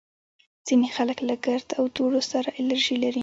ځینې خلک له ګرد او دوړو سره الرژي لري